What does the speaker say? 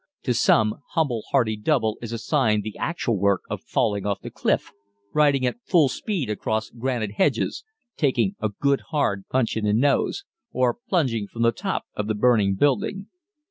To some humble, hardy "double" is assigned the actual work of falling off the cliff, riding at full speed across granite hedges, taking a good hard punch in the nose, or plunging from the top of the burning building.